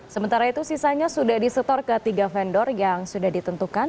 sementara itu sisanya sudah disetor ke tiga vendor yang sudah ditentukan